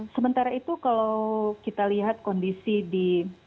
sementara itu kalau kita lihat kondisi di